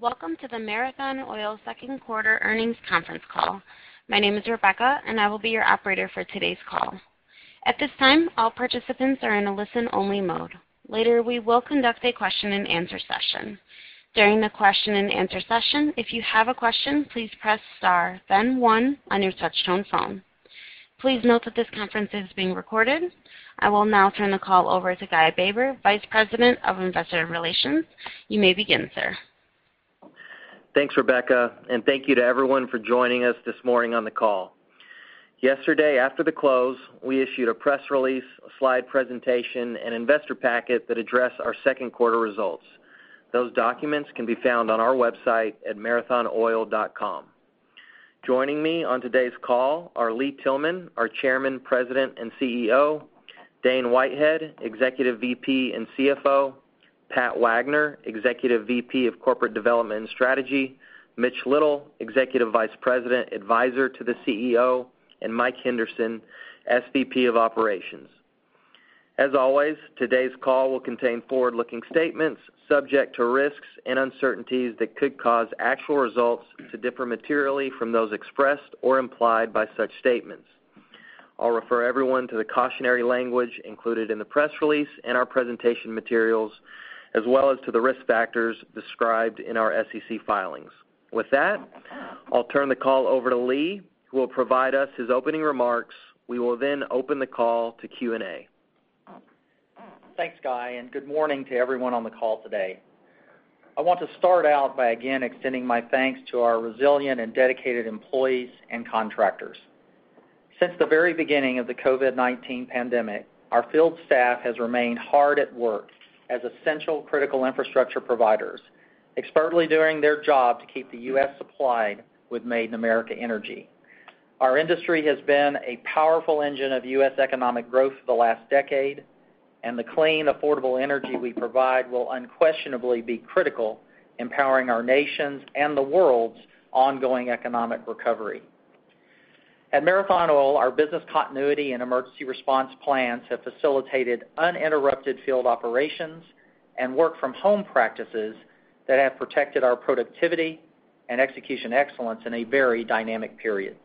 Welcome to the Marathon Oil Second Quarter Earnings Conference Call. My name is Rebecca, and I will be your operator for today's call. At this time, all participants are in a listen-only mode. Later, we will conduct a question and answer session. During the question and answer session, if you have a question, please press star then one on your touchtone phone. Please note that this conference is being recorded. I will now turn the call over to Guy Baber, Vice President of Investor Relations. You may begin, sir. Thanks, Rebecca, thank you to everyone for joining us this morning on the call. Yesterday after the close, we issued a press release, a slide presentation, and investor packet that address our second quarter results. Those documents can be found on our website at marathonoil.com. Joining me on today's call are Lee Tillman, our Chairman, President, and CEO, Dane Whitehead, Executive VP and CFO, Pat Wagner, Executive VP of Corporate Development and Strategy, Mitch Little, Executive Vice President, Advisor to the CEO, and Mike Henderson, SVP of Operations. As always, today's call will contain forward-looking statements subject to risks and uncertainties that could cause actual results to differ materially from those expressed or implied by such statements. I'll refer everyone to the cautionary language included in the press release and our presentation materials, as well as to the risk factors described in our SEC filings. With that, I'll turn the call over to Lee, who will provide us his opening remarks. We will then open the call to Q&A. Thanks, Guy. Good morning to everyone on the call today. I want to start out by again extending my thanks to our resilient and dedicated employees and contractors. Since the very beginning of the COVID-19 pandemic, our field staff has remained hard at work as essential critical infrastructure providers, expertly doing their job to keep the U.S. supplied with Made in America energy. Our industry has been a powerful engine of U.S. economic growth for the last decade, and the clean, affordable energy we provide will unquestionably be critical in powering our nation's and the world's ongoing economic recovery. At Marathon Oil, our business continuity and emergency response plans have facilitated uninterrupted field operations and work from home practices that have protected our productivity and execution excellence in a very dynamic period.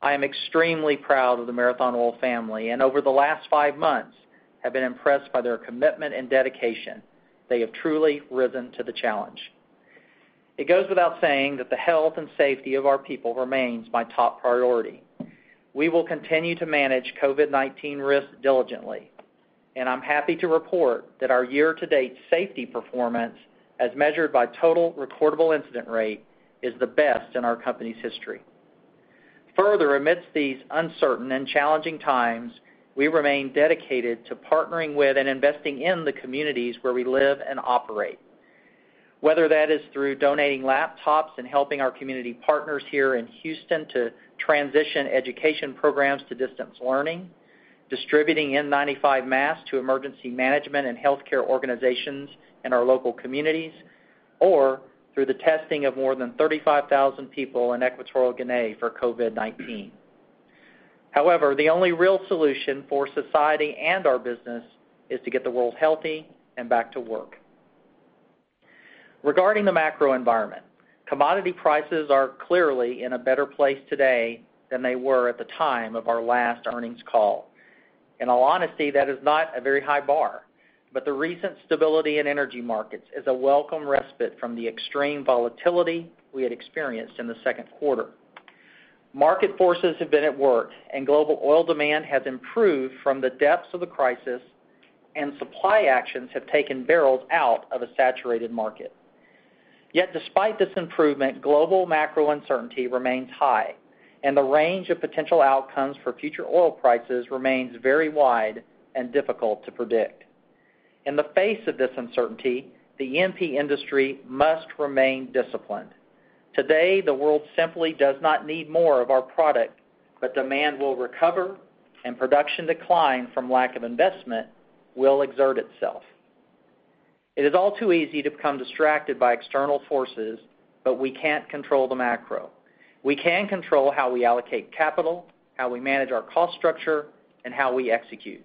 I am extremely proud of the Marathon Oil family, and over the last five months have been impressed by their commitment and dedication. They have truly risen to the challenge. It goes without saying that the health and safety of our people remains my top priority. We will continue to manage COVID-19 risks diligently, and I'm happy to report that our year-to-date safety performance, as measured by total recordable incident rate, is the best in our company's history. Further, amidst these uncertain and challenging times, we remain dedicated to partnering with and investing in the communities where we live and operate. Whether that is through donating laptops and helping our community partners here in Houston to transition education programs to distance learning, distributing N95 masks to emergency management and healthcare organizations in our local communities, or through the testing of more than 35,000 people in Equatorial Guinea for COVID-19. The only real solution for society and our business is to get the world healthy and back to work. Regarding the macro environment, commodity prices are clearly in a better place today than they were at the time of our last earnings call. In all honesty, that is not a very high bar, but the recent stability in energy markets is a welcome respite from the extreme volatility we had experienced in the second quarter. Market forces have been at work, and global oil demand has improved from the depths of the crisis, and supply actions have taken barrels out of a saturated market. Despite this improvement, global macro uncertainty remains high, and the range of potential outcomes for future oil prices remains very wide and difficult to predict. In the face of this uncertainty, the E&P industry must remain disciplined. Today, the world simply does not need more of our product, but demand will recover, and production decline from lack of investment will exert itself. It is all too easy to become distracted by external forces, but we can't control the macro. We can control how we allocate capital, how we manage our cost structure, and how we execute.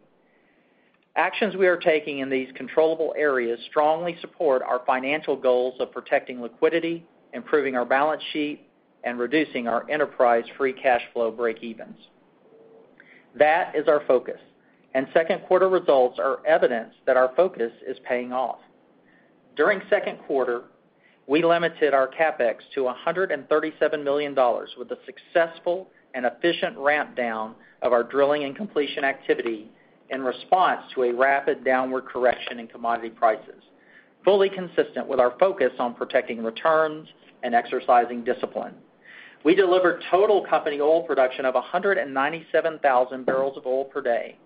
Actions we are taking in these controllable areas strongly support our financial goals of protecting liquidity, improving our balance sheet, and reducing our enterprise free cash flow breakevens. That is our focus, and second quarter results are evidence that our focus is paying off. During second quarter, we limited our CapEx to $137 million with a successful and efficient ramp down of our drilling and completion activity in response to a rapid downward correction in commodity prices, fully consistent with our focus on protecting returns and exercising discipline. We delivered total company oil production of 197,000 barrels of oil per day.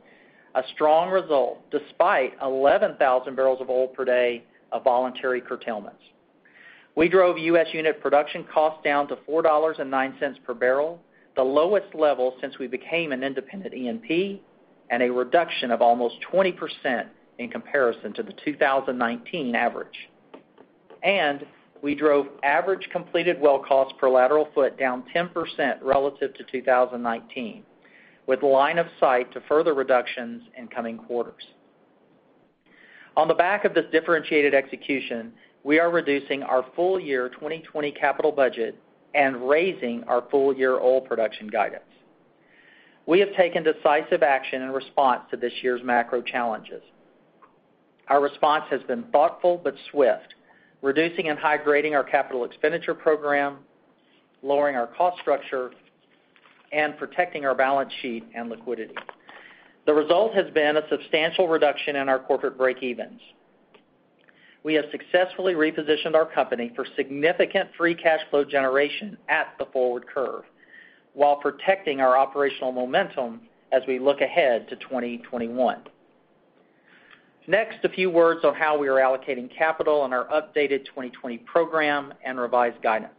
A strong result despite 11,000 barrels of oil per day of voluntary curtailments. We drove U.S. unit production costs down to $4.09 per barrel, the lowest level since we became an independent E&P, and a reduction of almost 20% in comparison to the 2019 average. We drove average completed well cost per lateral foot down 10% relative to 2019. With line of sight to further reductions in coming quarters. On the back of this differentiated execution, we are reducing our full year 2020 capital budget and raising our full year oil production guidance. We have taken decisive action in response to this year's macro challenges. Our response has been thoughtful but swift, reducing and high-grading our capital expenditure program, lowering our cost structure, and protecting our balance sheet and liquidity. The result has been a substantial reduction in our corporate breakevens. We have successfully repositioned our company for significant free cash flow generation at the forward curve while protecting our operational momentum as we look ahead to 2021. A few words on how we are allocating capital in our updated 2020 program and revised guidance.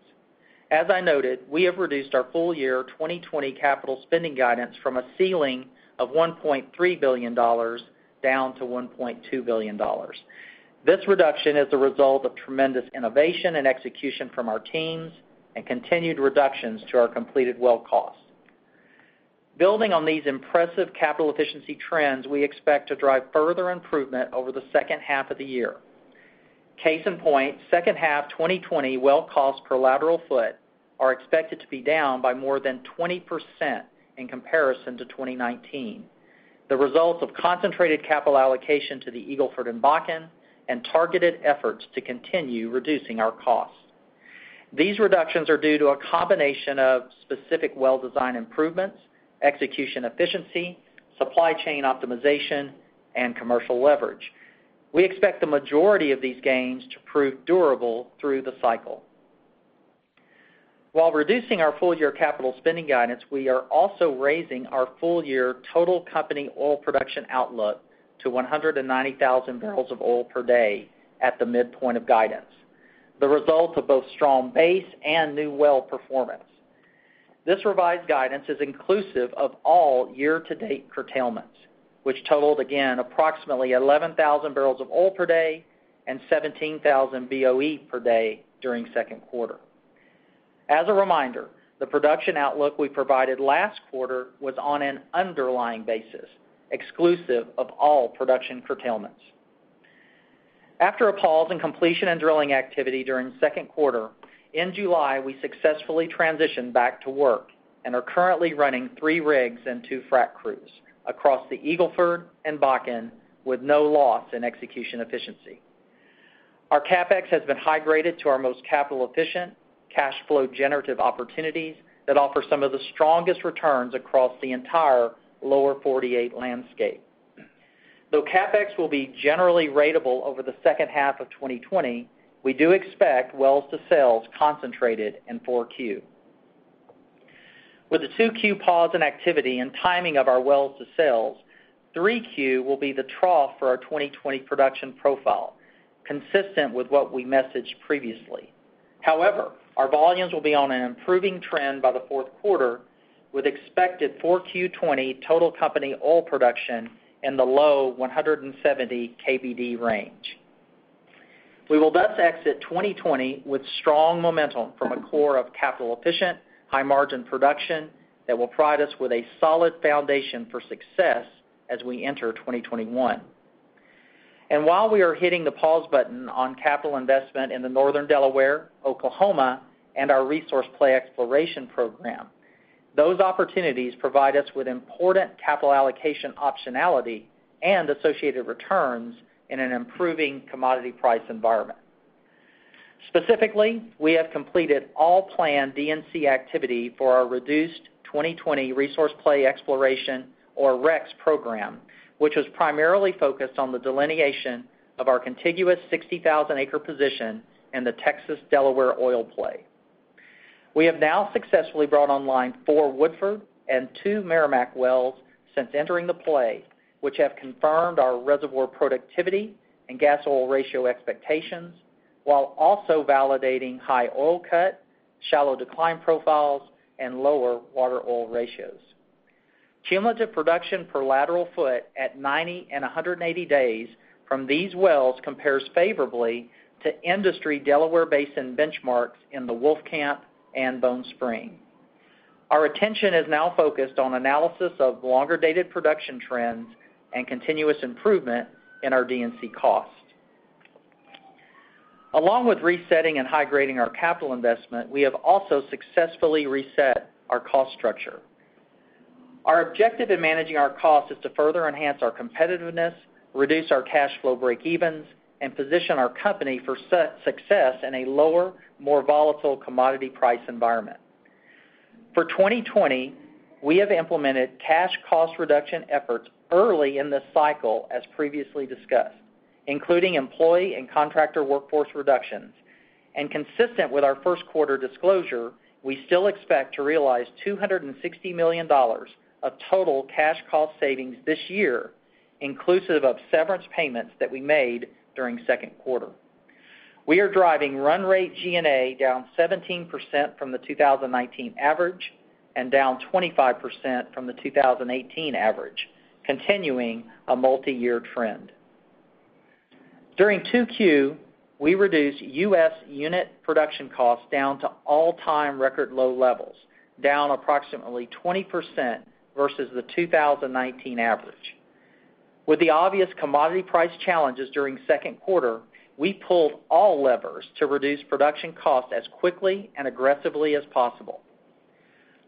As I noted, we have reduced our full year 2020 capital spending guidance from a ceiling of $1.3 billion down to $1.2 billion. This reduction is the result of tremendous innovation and execution from our teams and continued reductions to our completed well costs. Building on these impressive capital efficiency trends, we expect to drive further improvement over the second half of the year. Case in point, second half 2020 well costs per lateral foot are expected to be down by more than 20% in comparison to 2019, the result of concentrated capital allocation to the Eagle Ford and Bakken, and targeted efforts to continue reducing our costs. These reductions are due to a combination of specific well design improvements, execution efficiency, supply chain optimization, and commercial leverage. We expect the majority of these gains to prove durable through the cycle. While reducing our full year capital spending guidance, we are also raising our full year total company oil production outlook to 190,000 barrels of oil per day at the midpoint of guidance, the result of both strong base and new well performance. This revised guidance is inclusive of all year-to-date curtailments, which totaled again approximately 11,000 barrels of oil per day and 17,000 BOE per day during second quarter. As a reminder, the production outlook we provided last quarter was on an underlying basis, exclusive of all production curtailments. After a pause in completion and drilling activity during the second quarter, in July, we successfully transitioned back to work and are currently running three rigs and two frac crews across the Eagle Ford and Bakken with no loss in execution efficiency. Our CapEx has been high-graded to our most capital-efficient, cash flow generative opportunities that offer some of the strongest returns across the entire Lower 48 landscape. Though CapEx will be generally ratable over the second half of 2020, we do expect wells to sales concentrated in 4Q. With the 2Q pause in activity and timing of our wells to sales, 3Q will be the trough for our 2020 production profile, consistent with what we messaged previously. However, our volumes will be on an improving trend by the fourth quarter, with expected 4Q20 total company oil production in the low 170 KBD range. We will thus exit 2020 with strong momentum from a core of capital efficient, high margin production that will provide us with a solid foundation for success as we enter 2021. While we are hitting the pause button on capital investment in the Northern Delaware, Oklahoma, and our resource play exploration program, those opportunities provide us with important capital allocation optionality and associated returns in an improving commodity price environment. Specifically, we have completed all planned D&C activity for our reduced 2020 resource play exploration or REX program, which was primarily focused on the delineation of our contiguous 60,000-acre position in the Texas Delaware Oil Play. We have now successfully brought online four Woodford and two Meramec wells since entering the play, which have confirmed our reservoir productivity and gas oil ratio expectations while also validating high oil cut, shallow decline profiles, and lower water oil ratios. Cumulative production per lateral foot at 90 and 180 days from these wells compares favorably to industry Delaware Basin benchmarks in the Wolfcamp and Bone Spring. Our attention is now focused on analysis of longer dated production trends and continuous improvement in our D&C cost. Along with resetting and high-grading our capital investment, we have also successfully reset our cost structure. Our objective in managing our cost is to further enhance our competitiveness, reduce our cash flow breakevens, and position our company for success in a lower, more volatile commodity price environment. For 2020, we have implemented cash cost reduction efforts early in this cycle, as previously discussed, including employee and contractor workforce reductions. Consistent with our first quarter disclosure, we still expect to realize $260 million of total cash cost savings this year, inclusive of severance payments that we made during second quarter. We are driving run rate G&A down 17% from the 2019 average and down 25% from the 2018 average, continuing a multi-year trend. During 2Q, we reduced U.S. unit production costs down to all-time record low levels, down approximately 20% versus the 2019 average. With the obvious commodity price challenges during second quarter, we pulled all levers to reduce production cost as quickly and aggressively as possible.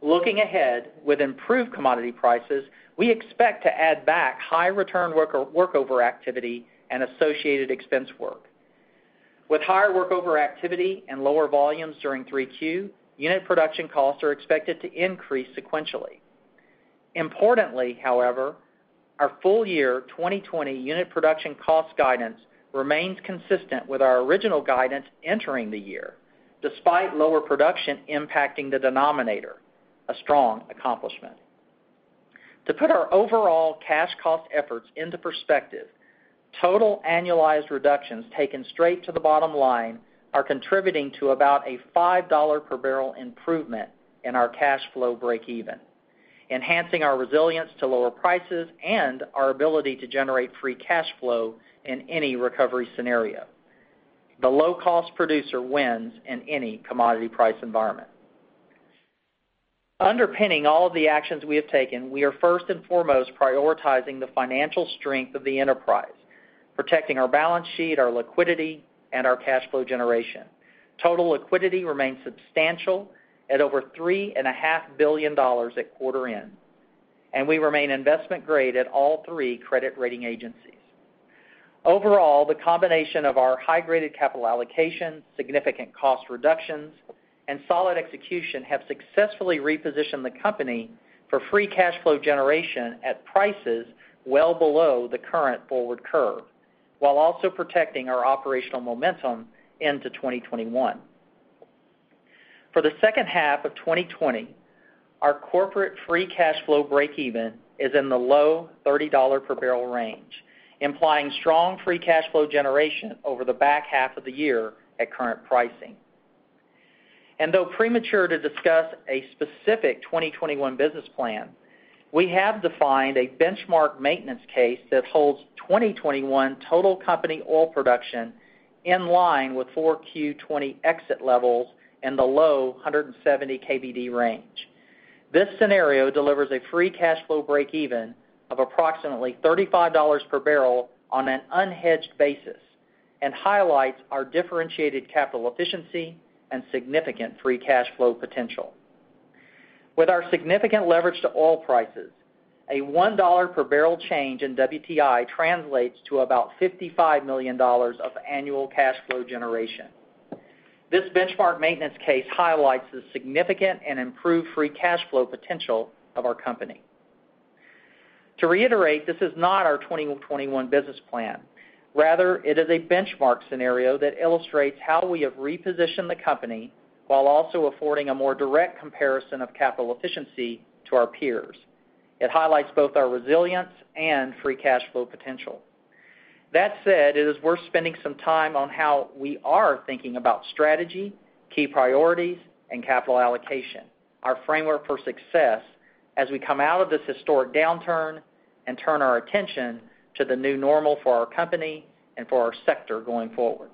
Looking ahead, with improved commodity prices, we expect to add back high return workover activity and associated expense work. With higher workover activity and lower volumes during 3Q, unit production costs are expected to increase sequentially. Importantly, however, our full year 2020 unit production cost guidance remains consistent with our original guidance entering the year, despite lower production impacting the denominator, a strong accomplishment. To put our overall cash cost efforts into perspective, total annualized reductions taken straight to the bottom line are contributing to about a $5 per barrel improvement in our cash flow breakeven, enhancing our resilience to lower prices and our ability to generate free cash flow in any recovery scenario. The low-cost producer wins in any commodity price environment. Underpinning all of the actions we have taken, we are first and foremost prioritizing the financial strength of the enterprise, protecting our balance sheet, our liquidity, and our cash flow generation. Total liquidity remains substantial at over three and a half billion dollars at quarter end. We remain investment grade at all three credit rating agencies. Overall, the combination of our high-graded capital allocation, significant cost reductions, and solid execution have successfully repositioned the company for free cash flow generation at prices well below the current forward curve, while also protecting our operational momentum into 2021. For the second half of 2020, our corporate free cash flow breakeven is in the low $30 per barrel range, implying strong free cash flow generation over the back half of the year at current pricing. Though premature to discuss a specific 2021 business plan, we have defined a benchmark maintenance case that holds 2021 total company oil production in line with 4Q20 exit levels in the low 170 KBD range. This scenario delivers a free cash flow breakeven of approximately $35 per barrel on an unhedged basis and highlights our differentiated capital efficiency and significant free cash flow potential. With our significant leverage to oil prices, a $1 per barrel change in WTI translates to about $55 million of annual cash flow generation. This benchmark maintenance case highlights the significant and improved free cash flow potential of our company. To reiterate, this is not our 2021 business plan. Rather, it is a benchmark scenario that illustrates how we have repositioned the company while also affording a more direct comparison of capital efficiency to our peers. It highlights both our resilience and free cash flow potential. That said, it is worth spending some time on how we are thinking about strategy, key priorities, and capital allocation, our framework for success as we come out of this historic downturn and turn our attention to the new normal for our company and for our sector going forward.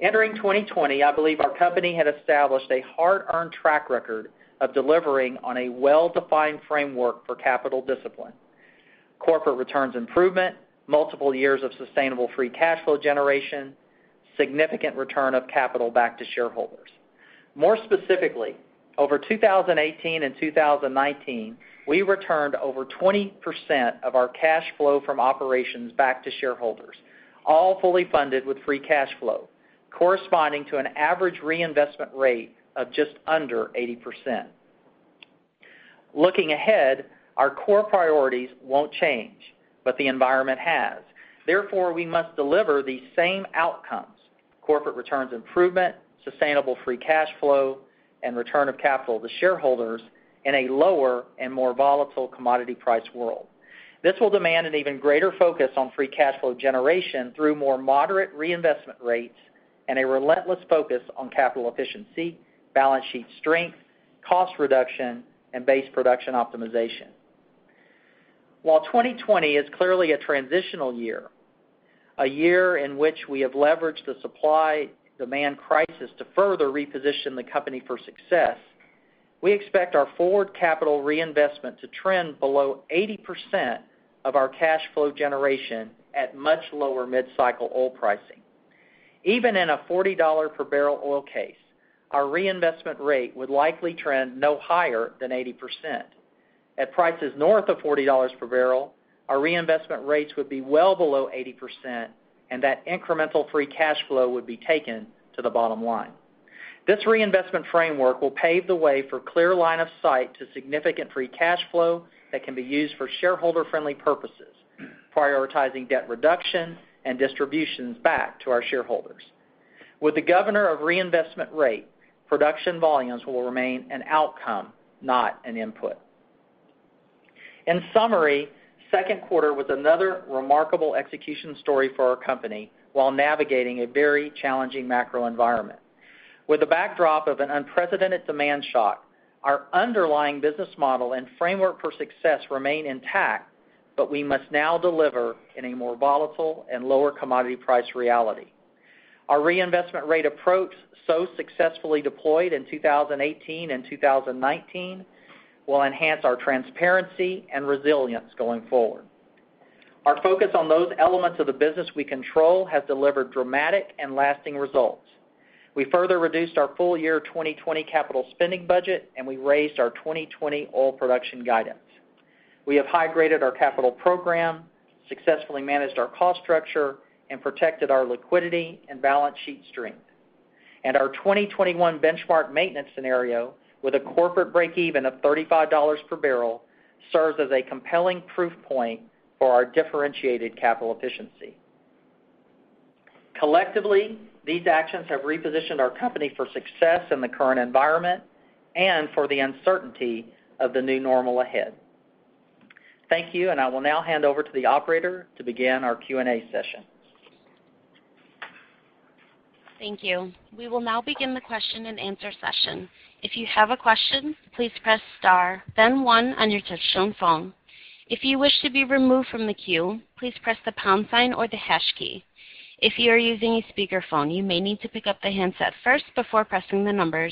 Entering 2020, I believe our company had established a hard-earned track record of delivering on a well-defined framework for capital discipline. Corporate returns improvement, multiple years of sustainable free cash flow generation, significant return of capital back to shareholders. More specifically, over 2018 and 2019, we returned over 20% of our cash flow from operations back to shareholders, all fully funded with free cash flow, corresponding to an average reinvestment rate of just under 80%. Looking ahead, our core priorities won't change, but the environment has. Therefore, we must deliver the same outcomes, corporate returns improvement, sustainable free cash flow, and return of capital to shareholders in a lower and more volatile commodity price world. This will demand an even greater focus on free cash flow generation through more moderate reinvestment rates and a relentless focus on capital efficiency, balance sheet strength, cost reduction, and base production optimization. While 2020 is clearly a transitional year, a year in which we have leveraged the supply-demand crisis to further reposition the company for success, we expect our forward capital reinvestment to trend below 80% of our cash flow generation at much lower mid-cycle oil pricing. Even in a $40 per barrel oil case, our reinvestment rate would likely trend no higher than 80%. At prices north of $40 per barrel, our reinvestment rates would be well below 80%, and that incremental free cash flow would be taken to the bottom line. This reinvestment framework will pave the way for clear line of sight to significant free cash flow that can be used for shareholder-friendly purposes, prioritizing debt reduction and distributions back to our shareholders. With the governor of reinvestment rate, production volumes will remain an outcome, not an input. In summary, second quarter was another remarkable execution story for our company while navigating a very challenging macro environment. With the backdrop of an unprecedented demand shock, our underlying business model and framework for success remain intact, but we must now deliver in a more volatile and lower commodity price reality. Our reinvestment rate approach, so successfully deployed in 2018 and 2019, will enhance our transparency and resilience going forward. Our focus on those elements of the business we control has delivered dramatic and lasting results. We further reduced our full year 2020 capital spending budget. We raised our 2020 oil production guidance. We have high-graded our capital program, successfully managed our cost structure. We protected our liquidity and balance sheet strength. Our 2021 benchmark maintenance scenario, with a corporate breakeven of $35 per barrel, serves as a compelling proof point for our differentiated capital efficiency. Collectively, these actions have repositioned our company for success in the current environment and for the uncertainty of the new normal ahead. Thank you. I will now hand over to the operator to begin our Q&A session. Thank you. We will now begin the question and answer session. If you have a question please press star then one on you touch tone phone. If you wished to be removed from the queue, please press the pound sign or the hash key. If you're using a speaker phone, you may need to pick up the handset first before pressing the number.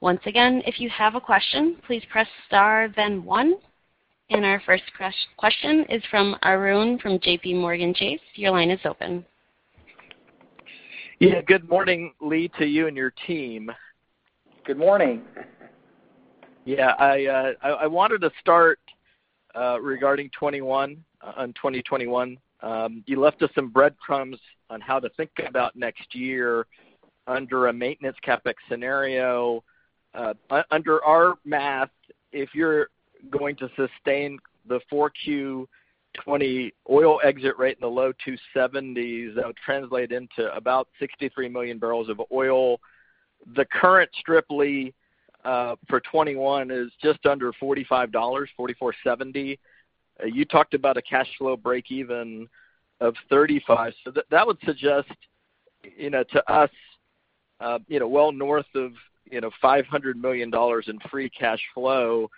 Once again if you have a question please press star then one. Our first question is from Arun from JPMorgan Chase. Your line is open. Yeah. Good morning, Lee, to you and your team. Good morning. Yeah. I wanted to start regarding on 2021. You left us some breadcrumbs on how to think about next year under a maintenance CapEx scenario. Under our math, if you're going to sustain the 4Q 2020 oil exit rate in the $270s, that would translate into about 63 million barrels of oil. The current strip, Lee, for 2021 is just under $45, $44.70. You talked about a cash flow breakeven of $35. That would suggest to us well north of $500 million in free cash flow.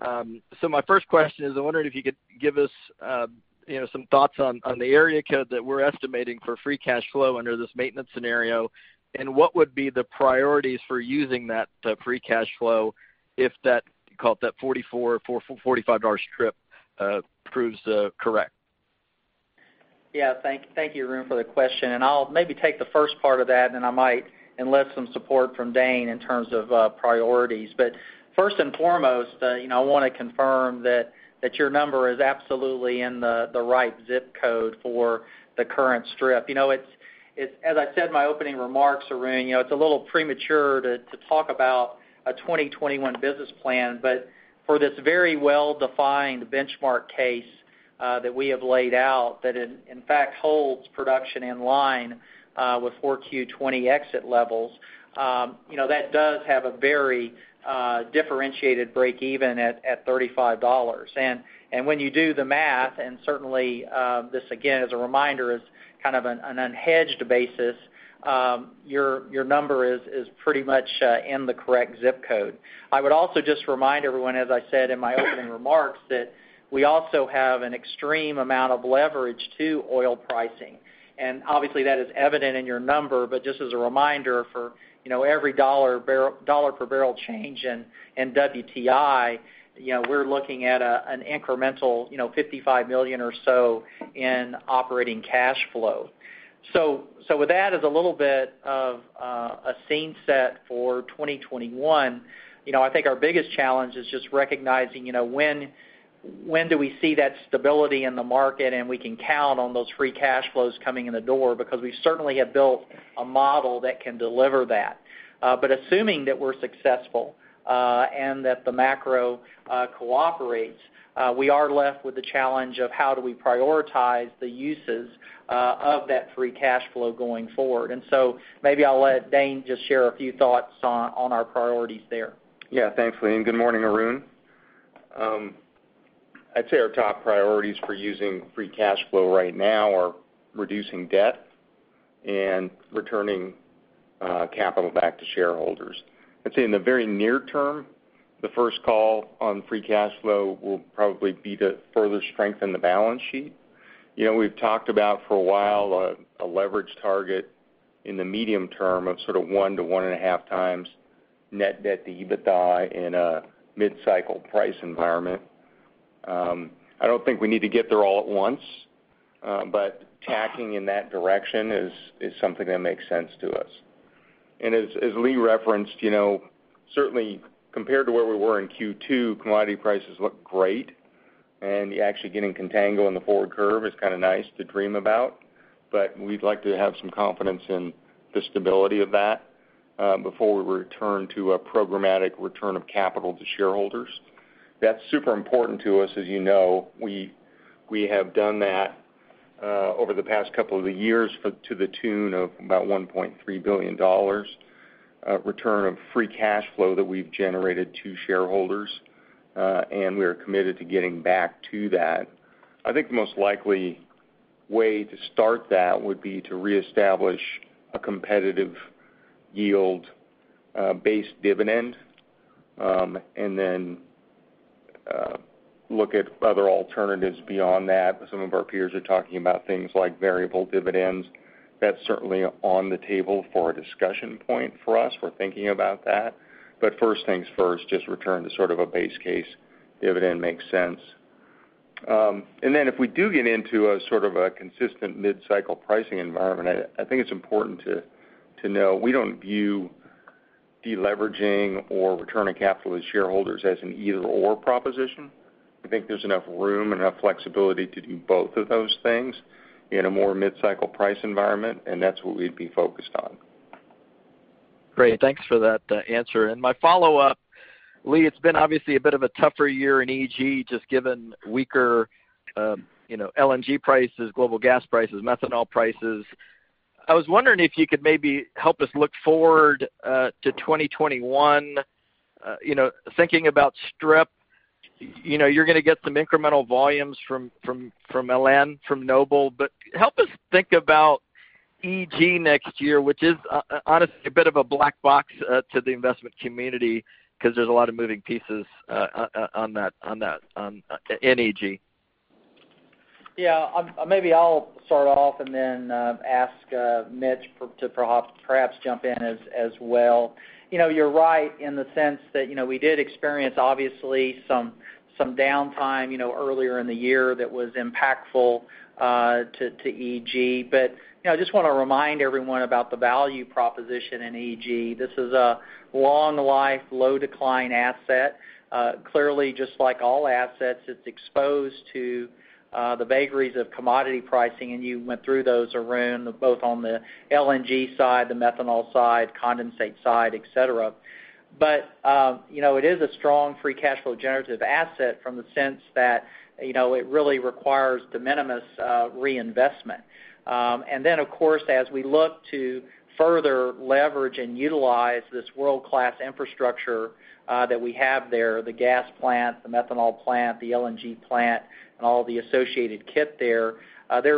My first question is, I wonder if you could give us some thoughts on the area code that we're estimating for free cash flow under this maintenance scenario, and what would be the priorities for using that free cash flow if that, call it that $44 or $45 strip proves correct? Yeah. Thank you, Arun, for the question. I'll maybe take the first part of that, and I might enlist some support from Dane in terms of priorities. First and foremost, I want to confirm that your number is absolutely in the right ZIP Code for the current strip. As I said in my opening remarks, Arun, it's a little premature to talk about a 2021 business plan, but for this very well-defined benchmark case that we have laid out that in fact holds production in line with 4Q 2020 exit levels, that does have a very differentiated breakeven at $35. When you do the math, and certainly this again as a reminder is kind of an unhedged basis, your number is pretty much in the correct ZIP Code. I would also just remind everyone, as I said in my opening remarks, that we also have an extreme amount of leverage to oil pricing. Obviously, that is evident in your number. But just as a reminder, for every dollar per barrel change in WTI, we're looking at an incremental $55 million or so in operating cash flow. With that as a little bit of a scene set for 2021, I think our biggest challenge is just recognizing when do we see that stability in the market, and we can count on those free cash flows coming in the door because we certainly have built a model that can deliver that. Assuming that we're successful, and that the macro cooperates, we are left with the challenge of how do we prioritize the uses of that free cash flow going forward. Maybe I'll let Dane just share a few thoughts on our priorities there. Yeah. Thanks, Lee, and good morning, Arun. I'd say our top priorities for using free cash flow right now are reducing debt and returning capital back to shareholders. I'd say in the very near term, the first call on free cash flow will probably be to further strengthen the balance sheet. We've talked about for a while a leverage target in the medium term of sort of one to one and a half times net debt to EBITDA in a mid-cycle price environment. I don't think we need to get there all at once. Tacking in that direction is something that makes sense to us. As Lee referenced, certainly compared to where we were in Q2, commodity prices look great, actually getting contango in the forward curve is kind of nice to dream about, but we'd like to have some confidence in the stability of that before we return to a programmatic return of capital to shareholders. That's super important to us. As you know, we have done that over the past couple of years to the tune of about $1.3 billion return of free cash flow that we've generated to shareholders. We are committed to getting back to that. I think the most likely way to start that would be to reestablish a competitive yield-based dividend, then look at other alternatives beyond that. Some of our peers are talking about things like variable dividends. That's certainly on the table for a discussion point for us. We're thinking about that. First things first, just return to sort of a base case dividend makes sense. If we do get into a sort of a consistent mid-cycle pricing environment, I think it's important to know we don't view de-leveraging or return on capital to shareholders as an either/or proposition. I think there's enough room and enough flexibility to do both of those things in a more mid-cycle price environment, and that's what we'd be focused on. Great. Thanks for that answer. My follow-up, Lee, it's been obviously a bit of a tougher year in EG, just given weaker LNG prices, global gas prices, methanol prices. I was wondering if you could maybe help us look forward to 2021. Thinking about strip, you're going to get some incremental volumes from Alen, from Noble. Help us think about EG next year, which is honestly a bit of a black box to the investment community because there's a lot of moving pieces in EG. Yeah. Maybe I'll start off and then ask Mitch to perhaps jump in as well. You're right in the sense that we did experience obviously some downtime earlier in the year that was impactful to EG. I just want to remind everyone about the value proposition in EG. This is a long life, low decline asset. Clearly just like all assets, it's exposed to the vagaries of commodity pricing, and you went through those, Arun, both on the LNG side, the methanol side, condensate side, et cetera. It is a strong free cash flow generative asset from the sense that it really requires de minimis reinvestment. Of course, as we look to further leverage and utilize this world-class infrastructure that we have there, the gas plant, the methanol plant, the LNG plant, and all the associated kit there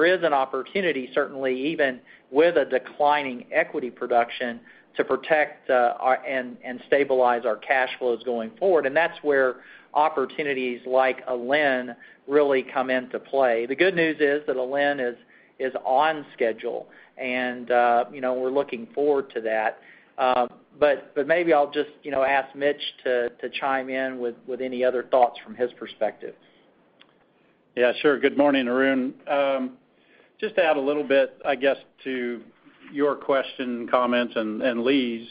is an opportunity, certainly even with a declining equity production, to protect and stabilize our cash flows going forward. That's where opportunities like Alen really come into play. The good news is that Alen is on schedule, and we're looking forward to that. Maybe I'll just ask Mitch to chime in with any other thoughts from his perspective. Yeah, sure. Good morning, Arun. Just to add a little bit, I guess, to your question, comments, and Lee's.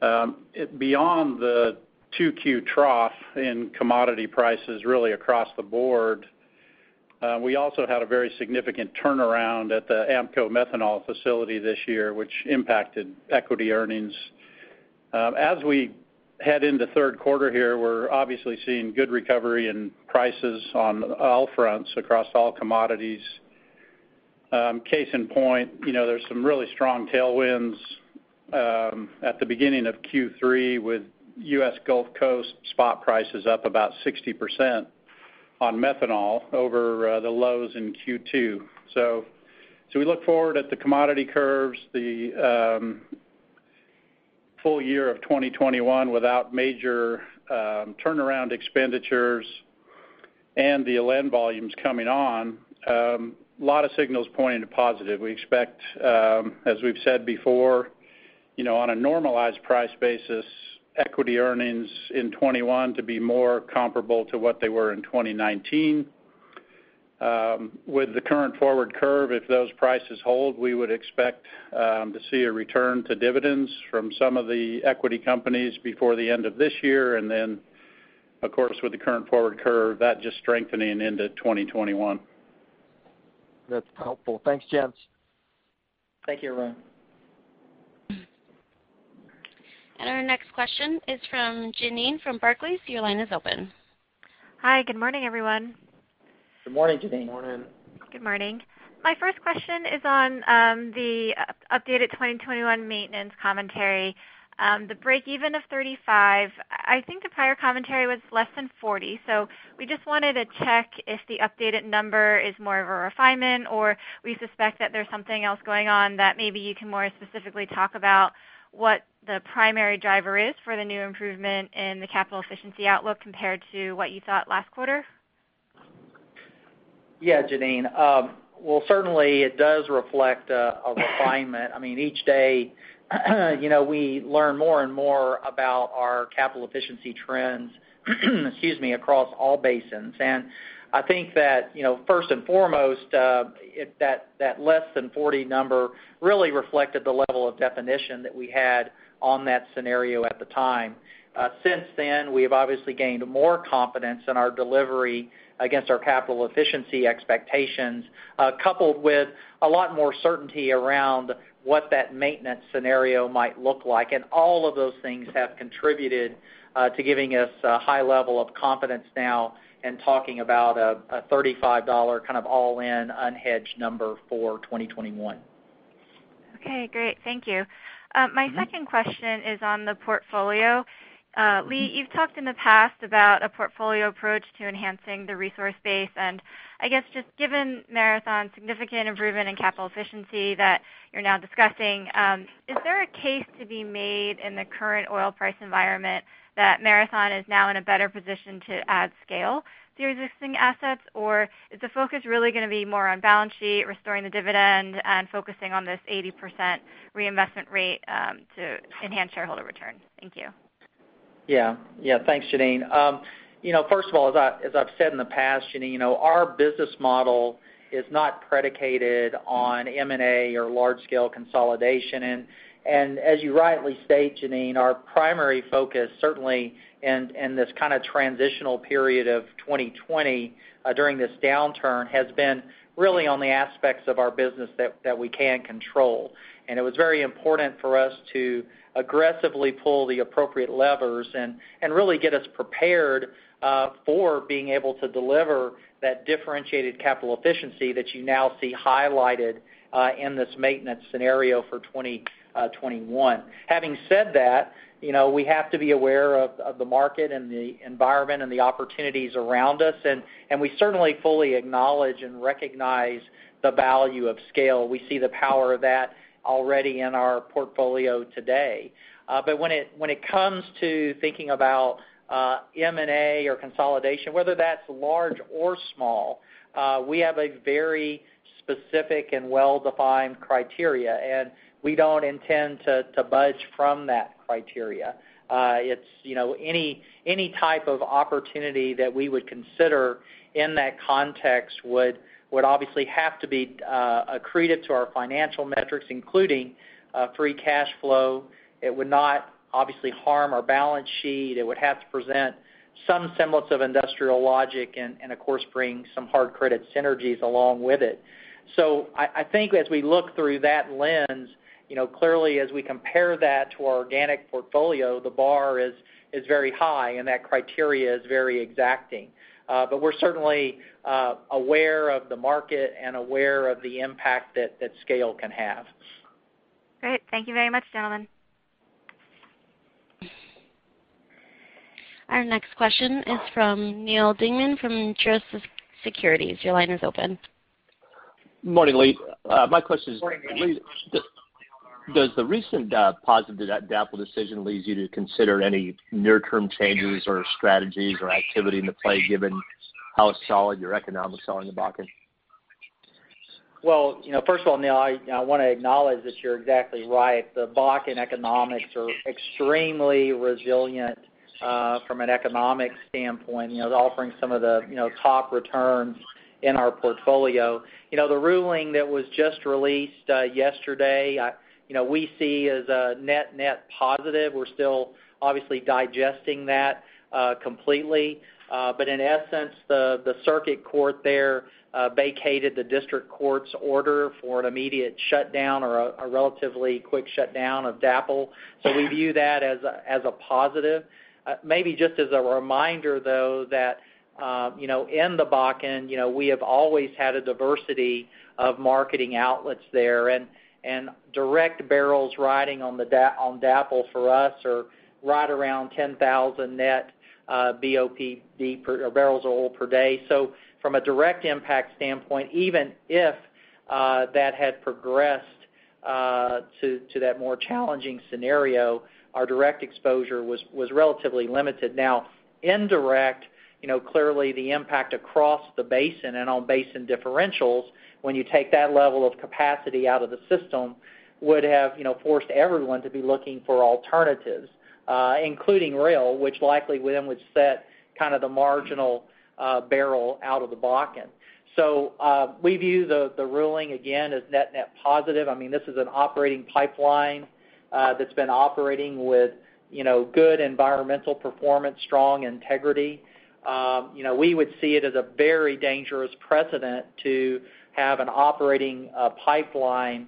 Beyond the 2Q trough in commodity prices really across the board, we also had a very significant turnaround at the AMPCO methanol facility this year, which impacted equity earnings. As we head into third quarter here, we're obviously seeing good recovery in prices on all fronts across all commodities. Case in point, there's some really strong tailwinds at the beginning of Q3 with U.S. Gulf Coast spot prices up about 60% on methanol over the lows in Q2. We look forward at the commodity curves, the full year of 2021 without major turnaround expenditures and the Alen volumes coming on. A lot of signals pointing to positive. We expect, as we've said before, on a normalized price basis, equity earnings in 2021 to be more comparable to what they were in 2019. With the current forward curve, if those prices hold, we would expect to see a return to dividends from some of the equity companies before the end of this year. We expect, of course, with the current forward curve, that just strengthening into 2021. That's helpful. Thanks, gents. Thank you, Arun. Our next question is from Jeannine from Barclays. Your line is open. Hi. Good morning, everyone. Good morning, Jeannine. Good morning. Good morning. My first question is on the updated 2021 maintenance commentary. The breakeven of $35, I think the prior commentary was less than $40. We just wanted to check if the updated number is more of a refinement, or we suspect that there's something else going on that maybe you can more specifically talk about what the primary driver is for the new improvement in the capital efficiency outlook compared to what you thought last quarter? Yeah, Jeannine. Well, certainly it does reflect a refinement. Each day we learn more and more about our capital efficiency trends across all basins. I think that first and foremost, that less than 40 number really reflected the level of definition that we had on that scenario at the time. Since then, we have obviously gained more confidence in our delivery against our capital efficiency expectations, coupled with a lot more certainty around what that maintenance scenario might look like. All of those things have contributed to giving us a high level of confidence now in talking about a $35 kind of all-in unhedged number for 2021. Okay, great. Thank you. My second question is on the portfolio. Lee, you've talked in the past about a portfolio approach to enhancing the resource base. I guess just given Marathon's significant improvement in capital efficiency that you're now discussing, is there a case to be made in the current oil price environment that Marathon is now in a better position to add scale to your existing assets? Is the focus really going to be more on balance sheet, restoring the dividend, and focusing on this 80% reinvestment rate to enhance shareholder returns? Thank you. Yeah. Thanks, Jeanine. First of all, as I've said in the past, Jeanine, our business model is not predicated on M&A or large-scale consolidation. As you rightly state, Jeanine, our primary focus, certainly in this kind of transitional period of 2020 during this downturn, has been really on the aspects of our business that we can control. It was very important for us to aggressively pull the appropriate levers and really get us prepared for being able to deliver that differentiated capital efficiency that you now see highlighted in this maintenance scenario for 2021. Having said that, we have to be aware of the market and the environment and the opportunities around us, and we certainly fully acknowledge and recognize the value of scale. We see the power of that already in our portfolio today. When it comes to thinking about M&A or consolidation, whether that's large or small, we have a very specific and well-defined criteria, and we don't intend to budge from that criteria. Any type of opportunity that we would consider in that context would obviously have to be accretive to our financial metrics, including free cash flow. It would not obviously harm our balance sheet. It would have to present some semblance of industrial logic, and of course, bring some hard credit synergies along with it. I think as we look through that lens, clearly as we compare that to our organic portfolio, the bar is very high, and that criteria is very exacting. We're certainly aware of the market and aware of the impact that scale can have. Great. Thank you very much, gentlemen. Our next question is from Neal Dingmann from Truist Securities. Your line is open. Morning, Lee. My question is. Morning. Lee, does the recent positive DAPL decision leads you to consider any near-term changes or strategies or activity into play, given how solid your economics are in the Bakken? First of all, Neal, I want to acknowledge that you're exactly right. The Bakken economics are extremely resilient from an economic standpoint, offering some of the top returns in our portfolio. The ruling that was just released yesterday, we see as a net-net positive. We're still obviously digesting that completely. In essence, the circuit court there vacated the district court's order for an immediate shutdown or a relatively quick shutdown of DAPL. We view that as a positive. Just as a reminder, though, that in the Bakken, we have always had a diversity of marketing outlets there, and direct barrels riding on DAPL for us are right around 10,000 net BOPD or barrels of oil per day. From a direct impact standpoint, even if that had progressed to that more challenging scenario, our direct exposure was relatively limited. Now, indirect, clearly the impact across the basin and on basin differentials, when you take that level of capacity out of the system, would have forced everyone to be looking for alternatives, including rail, which likely then would set kind of the marginal barrel out of the Bakken. We view the ruling, again, as net-net positive. This is an operating pipeline that's been operating with good environmental performance, strong integrity. We would see it as a very dangerous precedent to have an operating pipeline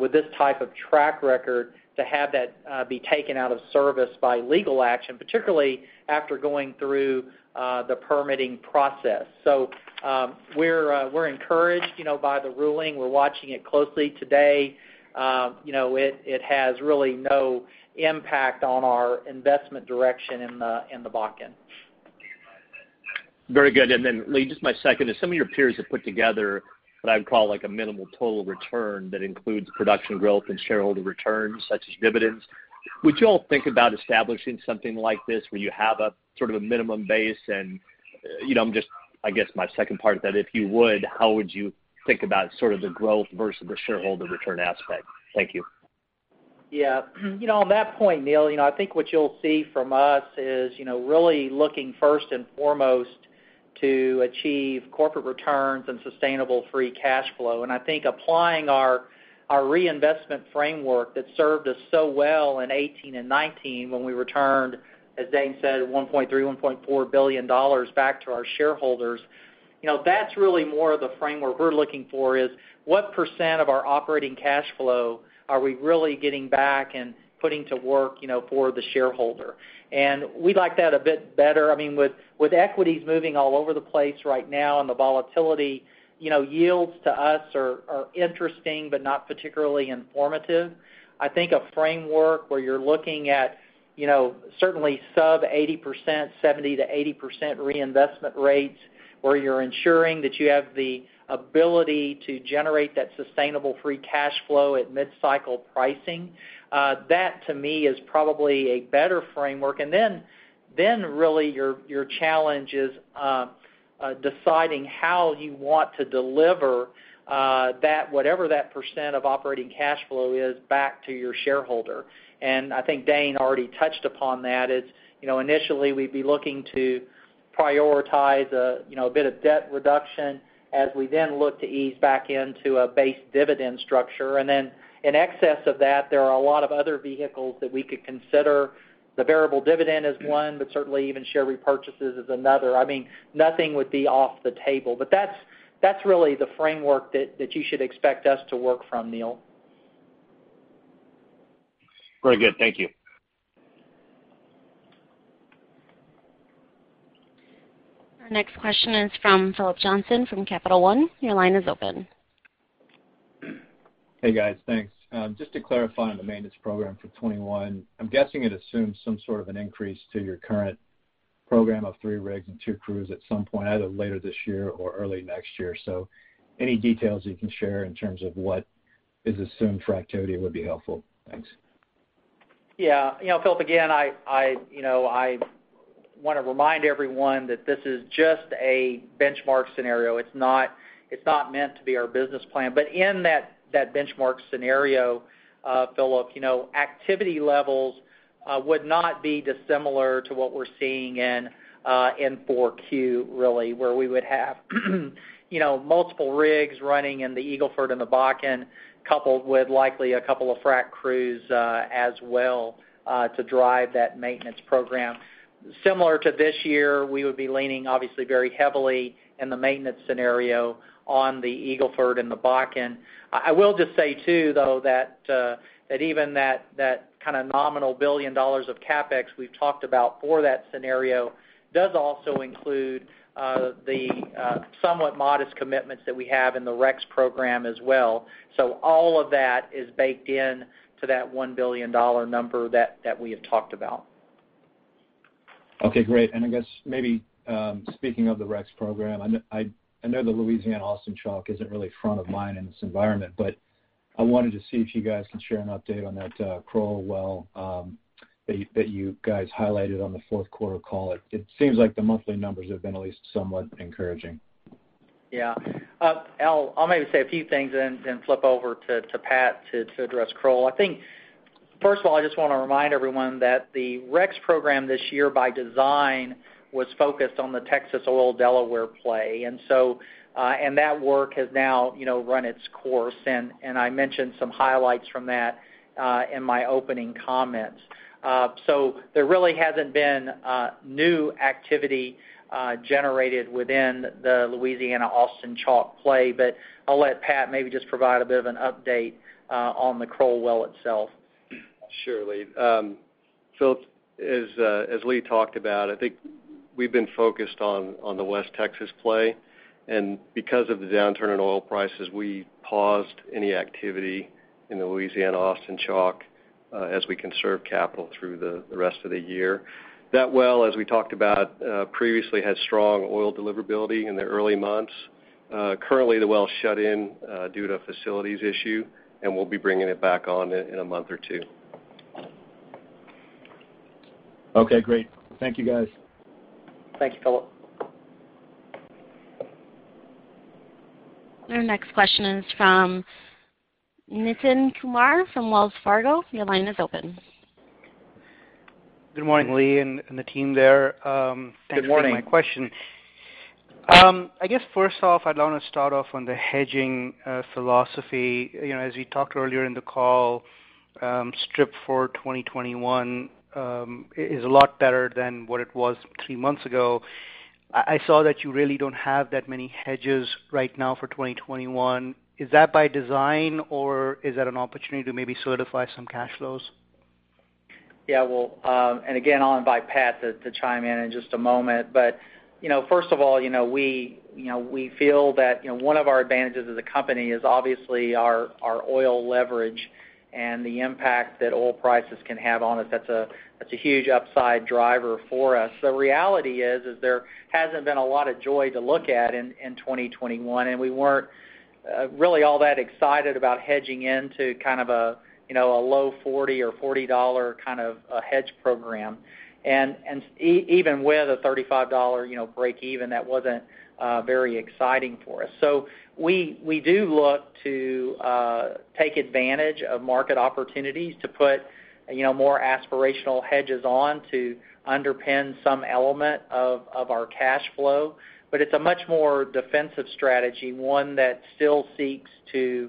with this type of track record to have that be taken out of service by legal action, particularly after going through the permitting process. We're encouraged by the ruling. We're watching it closely today. It has really no impact on our investment direction in the Bakken. Very good. Lee, just my second is some of your peers have put together what I would call a minimal total return that includes production growth and shareholder returns, such as dividends. Would you all think about establishing something like this where you have a sort of a minimum base and, I guess my second part of that, if you would, how would you think about sort of the growth versus the shareholder return aspect? Thank you. Yeah. On that point, Neal, I think what you'll see from us is really looking first and foremost to achieve corporate returns and sustainable free cash flow. I think applying our reinvestment framework that served us so well in 2018 and 2019, when we returned, as Dane said, $1.3 billion, $1.4 billion back to our shareholders. That's really more of the framework we're looking for is, what % of our operating cash flow are we really getting back and putting to work for the shareholder? We like that a bit better. With equities moving all over the place right now and the volatility, yields to us are interesting, but not particularly informative. I think a framework where you're looking at certainly sub 80%, 70%-80% reinvestment rates, where you're ensuring that you have the ability to generate that sustainable free cash flow at mid-cycle pricing. That, to me, is probably a better framework. Really your challenge is deciding how you want to deliver whatever that percent of operating cash flow is back to your shareholder. I think Dane already touched upon that is, initially, we'd be looking to prioritize a bit of debt reduction as we then look to ease back into a base dividend structure. In excess of that, there are a lot of other vehicles that we could consider. The variable dividend is one, but certainly even share repurchases is another. Nothing would be off the table. That's really the framework that you should expect us to work from, Neal. Very good. Thank you. Our next question is from Phillips Johnston from Capital One. Your line is open. Hey, guys. Thanks. Just to clarify on the maintenance program for 2021, I'm guessing it assumes some sort of an increase to your current program of three rigs and two crews at some point, either later this year or early next year. Any details you can share in terms of what is assumed for activity would be helpful. Thanks. Yeah. Phillips, again, I want to remind everyone that this is just a benchmark scenario. In that benchmark scenario, Phillips, activity levels would not be dissimilar to what we're seeing in 4Q, really, where we would have multiple rigs running in the Eagle Ford and the Bakken, coupled with likely a couple of frac crews as well, to drive that maintenance program. Similar to this year, we would be leaning obviously very heavily in the maintenance scenario on the Eagle Ford and the Bakken. I will just say, too, though, that even that kind of nominal $1 billion of CapEx we've talked about for that scenario does also include the somewhat modest commitments that we have in the REX program as well. All of that is baked into that $1 billion number that we have talked about. Okay, great. I guess maybe, speaking of the REX program, I know the Louisiana Austin Chalk isn't really front of mind in this environment, but I wanted to see if you guys can share an update on that Kroll Well that you guys highlighted on the fourth quarter call. It seems like the monthly numbers have been at least somewhat encouraging. Yeah. I'll maybe say a few things and then flip over to Pat to address Kroll. I think, first of all, I just want to remind everyone that the REX program this year, by design, was focused on the Texas Oil Delaware play. That work has now run its course, and I mentioned some highlights from that in my opening comments. There really hasn't been new activity generated within the Louisiana Austin Chalk play. I'll let Pat maybe just provide a bit of an update on the Kroll well itself. Surely. Phillips, as Lee talked about, I think we've been focused on the West Texas play. Because of the downturn in oil prices, we paused any activity in the Louisiana Austin Chalk as we conserve capital through the rest of the year. That well, as we talked about previously, had strong oil deliverability in the early months. Currently, the well's shut in due to a facilities issue, and we'll be bringing it back on in a month or two. Okay, great. Thank you, guys. Thank you, Phillip. Our next question is from Nitin Kumar from Wells Fargo. Your line is open. Good morning, Lee, and the team there. Good morning. Thanks for taking my question. I guess first off, I'd want to start off on the hedging philosophy. As you talked earlier in the call, strip for 2021 is a lot better than what it was three months ago. I saw that you really don't have that many hedges right now for 2021. Is that by design, or is that an opportunity to maybe certify some cash flows? Yeah. Well, again, I'll invite Pat to chime in in just a moment. First of all, we feel that one of our advantages as a company is obviously our oil leverage and the impact that oil prices can have on us. That's a huge upside driver for us. The reality is, there hasn't been a lot of joy to look at in 2021, and we weren't really all that excited about hedging into a low $40 or $40 hedge program. Even with a $35 breakeven, that wasn't very exciting for us. We do look to take advantage of market opportunities to put more aspirational hedges on to underpin some element of our cash flow. It's a much more defensive strategy, one that still seeks to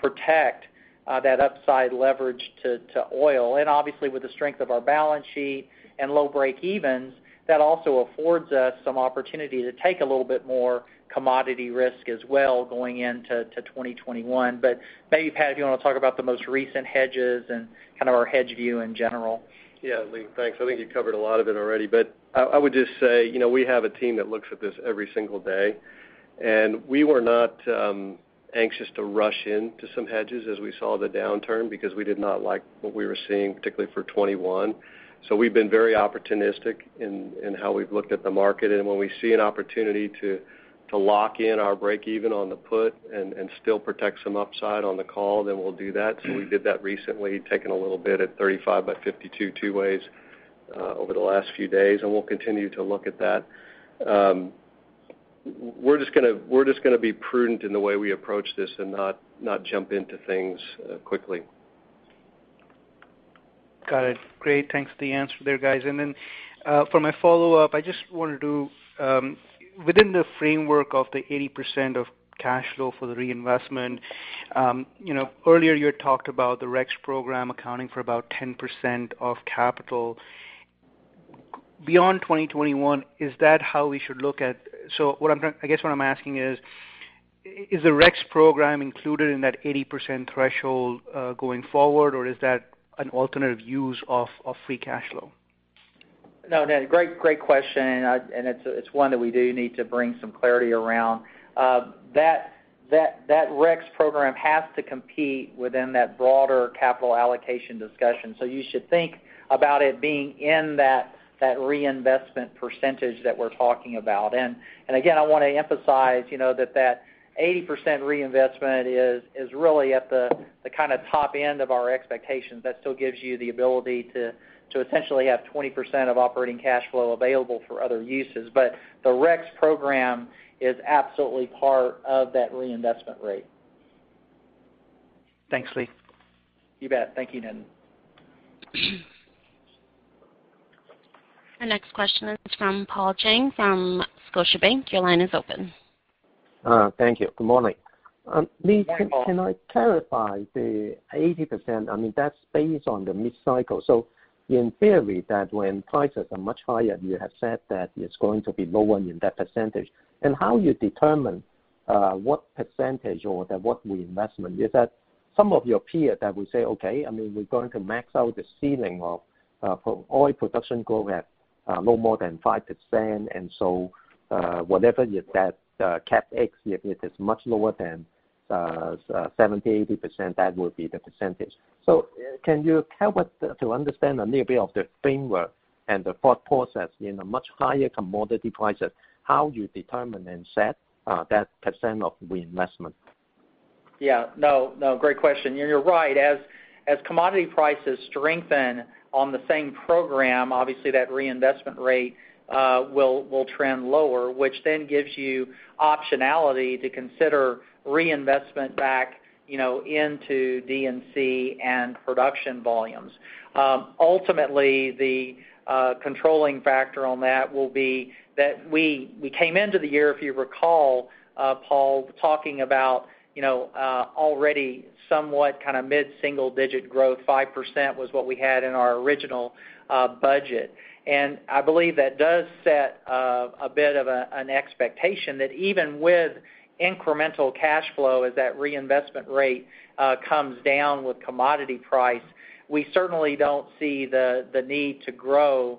protect that upside leverage to oil. Obviously, with the strength of our balance sheet and low breakevens, that also affords us some opportunity to take a little bit more commodity risk as well going into 2021. Maybe, Pat, you want to talk about the most recent hedges and our hedge view in general? Yeah, Lee, thanks. I think you covered a lot of it already. I would just say, we have a team that looks at this every single day. We were not anxious to rush into some hedges as we saw the downturn, because we did not like what we were seeing, particularly for 2021. We've been very opportunistic in how we've looked at the market. When we see an opportunity to lock in our breakeven on the put and still protect some upside on the call, then we'll do that. We did that recently, taking a little bit at 35 by 52 two ways over the last few days, and we'll continue to look at that. We're just going to be prudent in the way we approach this and not jump into things quickly. Got it. Great. Thanks for the answer there, guys. For my follow-up, within the framework of the 80% of cash flow for the reinvestment, earlier you had talked about the REX program accounting for about 10% of capital. Beyond 2021, so I guess what I'm asking is the REX program included in that 80% threshold going forward, or is that an alternative use of free cash flow? Nit, great question, it's one that we do need to bring some clarity around. That REX program has to compete within that broader capital allocation discussion. You should think about it being in that reinvestment percentage that we're talking about. Again, I want to emphasize that 80% reinvestment is really at the top end of our expectations. That still gives you the ability to essentially have 20% of operating cash flow available for other uses. The REX program is absolutely part of that reinvestment rate. Thanks, Lee. You bet. Thank you, Ned. The next question is from Paul Cheng from Scotiabank. Your line is open. Thank you. Good morning. Good morning, Paul. Lee, can I clarify the 80%? That's based on the mid-cycle. In theory, that when prices are much higher, you have said that it's going to be lower in that percentage. How you determine what percentage or what reinvestment is that some of your peers that will say, "Okay, we're going to max out the ceiling of oil production growth at no more than 5%." Whatever that CapEx, if it is much lower than 70%, 80%, that would be the percentage. Can you help us to understand a little bit of the framework and the thought process in a much higher commodity prices, how you determine and set that percent of reinvestment? No. Great question. You're right. As commodity prices strengthen on the same program, obviously that reinvestment rate will trend lower, which then gives you optionality to consider reinvestment back into D&C and production volumes. Ultimately, the controlling factor on that will be that we came into the year, if you recall, Paul, talking about already somewhat mid-single digit growth, 5% was what we had in our original budget. I believe that does set a bit of an expectation that even with incremental cash flow, as that reinvestment rate comes down with commodity price, we certainly don't see the need to grow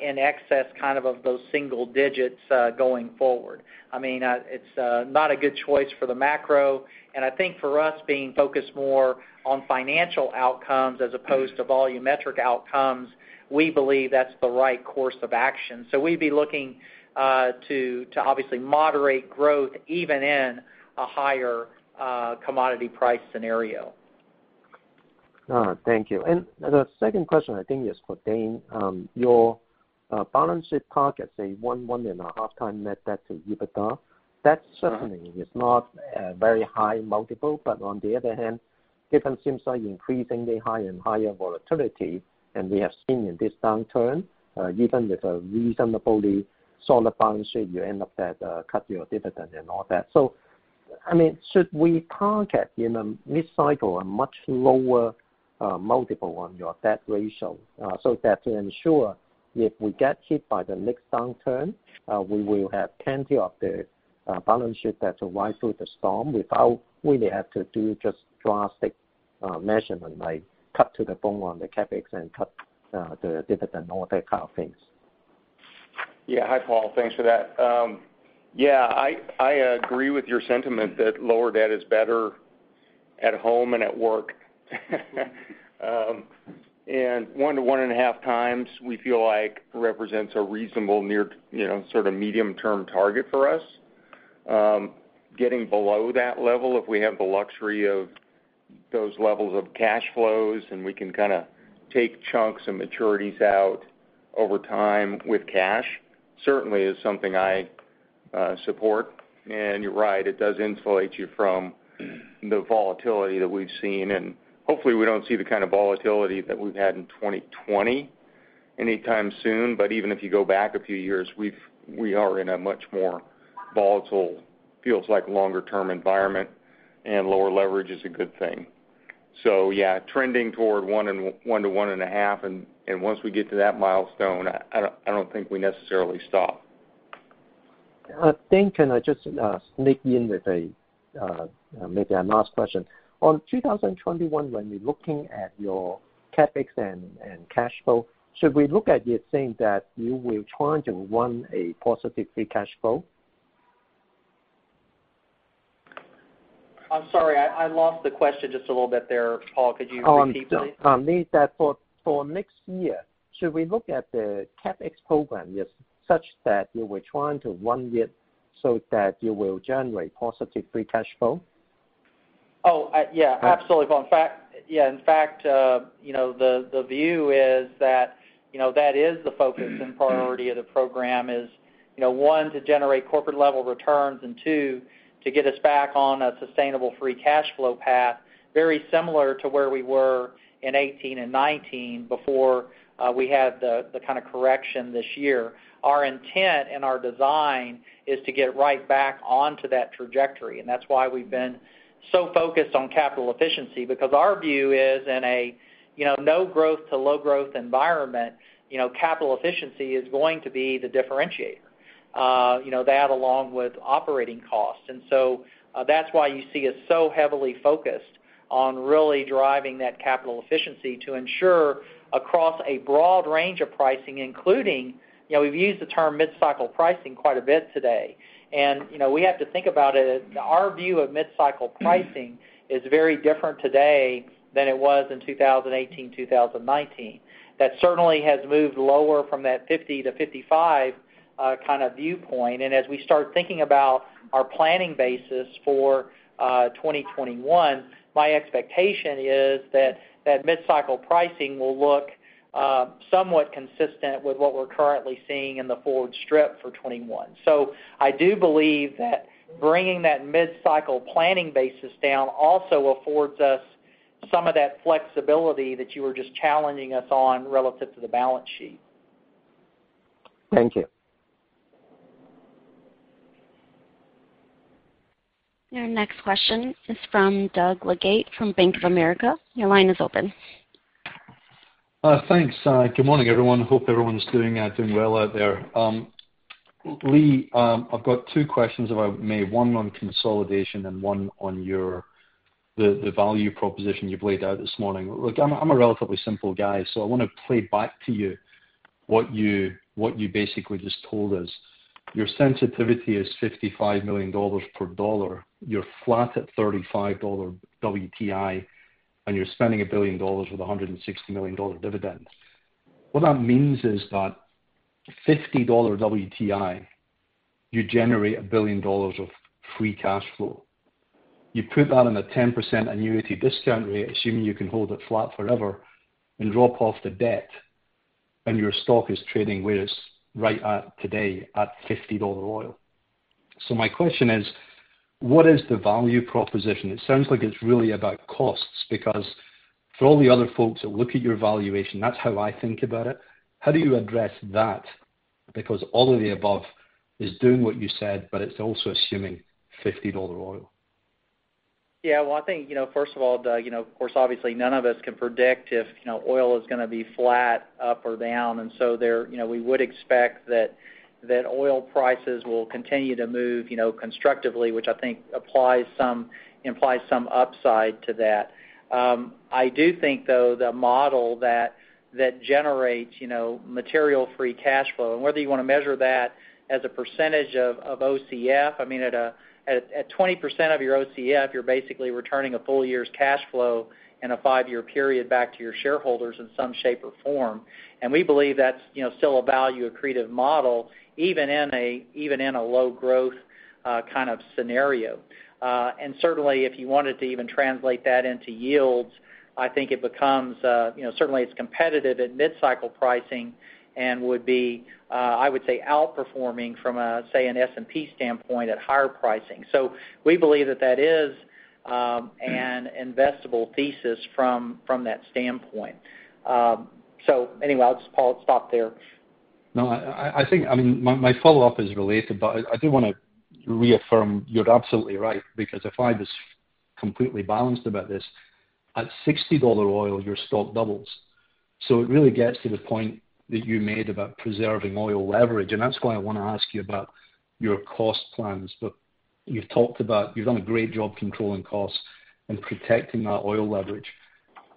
in excess of those single digits going forward. It's not a good choice for the macro. I think for us being focused more on financial outcomes as opposed to volumetric outcomes, we believe that's the right course of action. We'd be looking to obviously moderate growth even in a higher commodity price scenario. Thank you. The second question, I think is for Dane. Your balance sheet targets a one and a half times net debt to EBITDA. That certainly is not a very high multiple, but on the other hand, different regimes are increasingly high and higher volatility. We have seen in this downturn even with a reasonably solid balance sheet, you end up cutting your dividend and all that. Should we target in a mid-cycle a much lower multiple on your debt ratio so that to ensure if we get hit by the next downturn, we will have plenty of the balance sheet that will ride through the storm without really have to do just drastic measurement like cut to the bone on the CapEx and cut the dividend, all that kind of things? Yeah. Hi, Paul. Thanks for that. Yeah, I agree with your sentiment that lower debt is better. At home and at work. One to one and a half times, we feel like represents a reasonable near sort of medium-term target for us. Getting below that level, if we have the luxury of those levels of cash flows, and we can take chunks and maturities out over time with cash, certainly is something I support. You're right, it does insulate you from the volatility that we've seen, and hopefully we don't see the kind of volatility that we've had in 2020 anytime soon. Even if you go back a few years, we are in a much more volatile, feels like longer-term environment, and lower leverage is a good thing. Yeah, trending toward one to one and a half, and once we get to that milestone, I don't think we necessarily stop. I think, can I just sneak in with maybe a last question? On 2021, when we're looking at your CapEx and cash flow, should we look at it saying that you will try to run a positive free cash flow? I'm sorry, I lost the question just a little bit there, Paul. Could you repeat, please? Lee, that for next year, should we look at the CapEx program such that you were trying to run it so that you will generate positive free cash flow? Oh, yeah. Absolutely, Paul. In fact, the view is that is the focus and priority of the program is, one, to generate corporate-level returns, and two, to get us back on a sustainable free cash flow path, very similar to where we were in 2018 and 2019 before we had the kind of correction this year. Our intent and our design is to get right back onto that trajectory. That's why we've been so focused on capital efficiency. Our view is in a no growth to low growth environment, capital efficiency is going to be the differentiator. That along with operating costs. That's why you see us so heavily focused on really driving that capital efficiency to ensure across a broad range of pricing, including, we've used the term mid-cycle pricing quite a bit today. We have to think about it, our view of mid-cycle pricing is very different today than it was in 2018, 2019. That certainly has moved lower from that 50 to 55 kind of viewpoint. As we start thinking about our planning basis for 2021, my expectation is that mid-cycle pricing will look somewhat consistent with what we're currently seeing in the forward strip for 2021. I do believe that bringing that mid-cycle planning basis down also affords us some of that flexibility that you were just challenging us on relative to the balance sheet. Thank you. Your next question is from Doug Leggate from Bank of America. Your line is open. Thanks. Good morning, everyone. Hope everyone's doing well out there. Lee, I've got two questions, if I may. One on consolidation and one on the value proposition you've laid out this morning. Look, I'm a relatively simple guy, so I want to play back to you what you basically just told us. Your sensitivity is $55 million per dollar. You're flat at $35 WTI, and you're spending $1 billion with a $160 million dividend. What that means is that $50 WTI, you generate $1 billion of free cash flow. You put that on a 10% annuity discount rate, assuming you can hold it flat forever, and drop off the debt, and your stock is trading with us right at today at $50 oil. My question is: What is the value proposition? It sounds like it's really about costs, because for all the other folks that look at your valuation, that's how I think about it. How do you address that? All of the above is doing what you said, but it's also assuming $50 oil. Yeah. Well, I think, first of all, Doug, of course, obviously none of us can predict if oil is going to be flat, up or down. There, we would expect that oil prices will continue to move constructively, which I think implies some upside to that. I do think, though, the model that generates material free cash flow, and whether you want to measure that as a percentage of OCF, at 20% of your OCF, you're basically returning a full year's cash flow in a five-year period back to your shareholders in some shape or form. We believe that's still a value accretive model, even in a low growth kind of scenario. Certainly if you wanted to even translate that into yields, I think it becomes certainly competitive at mid-cycle pricing and would be, I would say, outperforming from a, say, an S&P standpoint at higher pricing. We believe that that is an investable thesis from that standpoint. Anyway, I'll just, Paul, stop there. My follow-up is related, but I do want to reaffirm you're absolutely right, because if I was completely balanced about this, at $60 oil, your stock doubles. It really gets to the point that you made about preserving oil leverage, and that's why I want to ask you about your cost plans. You've done a great job controlling costs and protecting that oil leverage.